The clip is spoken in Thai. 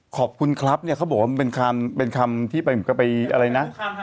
ขอบคุณครับเนี่ยเขาบอกว่าเป็นคำที่ไปอะไรนะ